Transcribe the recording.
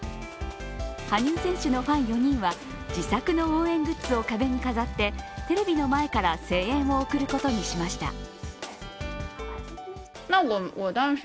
羽生選手のファン４人は、自作の応援グッズを壁に飾ってテレビの前から声援を送ることにしました。